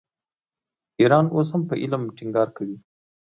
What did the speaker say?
ایران اوس هم په علم ټینګار کوي.